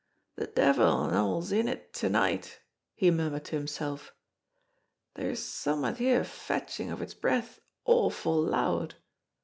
"The devil an' all's in it to night," he murmured to himself; "there's some'at here fetchin' of its breath awful loud."